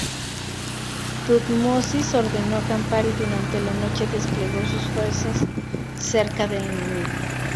Tutmosis ordenó acampar y durante la noche desplegó sus fuerzas cerca del enemigo.